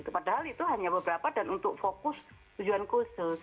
padahal itu hanya beberapa dan untuk fokus tujuan khusus